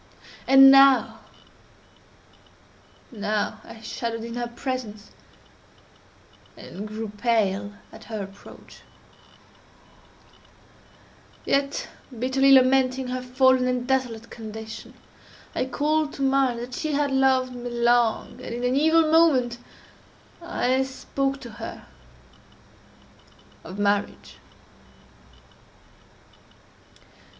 And now—now I shuddered in her presence, and grew pale at her approach; yet, bitterly lamenting her fallen and desolate condition, I called to mind that she had loved me long, and, in an evil moment, I spoke to her of marriage.